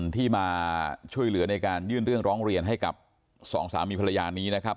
ที่มาช่วยเหลือในการยื่นเรื่องร้องเรียนให้กับสองสามีภรรยานี้นะครับ